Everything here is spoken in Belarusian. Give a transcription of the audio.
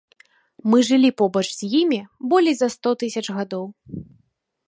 Мы жылі побач з імі болей за сто тысяч гадоў.